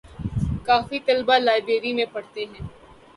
کافی طلبہ لائبریری میں پڑھتے ہیں